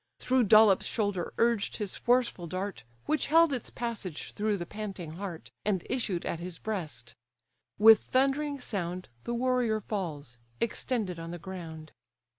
Through Dolops' shoulder urged his forceful dart, Which held its passage through the panting heart, And issued at his breast. With thundering sound The warrior falls, extended on the ground.